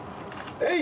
えい！